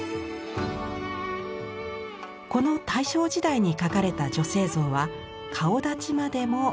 この大正時代に描かれた女性像は顔だちまでも独特。